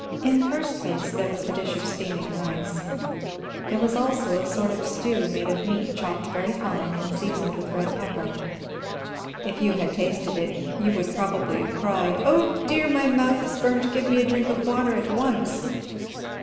In the first place, there was the dish of steaming rice. There was also a sort of stew made of meat chopped very fine and seasoned with red pepper. If you had tasted it, you would probably have cried: "Oh dear, my mouth is burnt; give me a drink of water at once."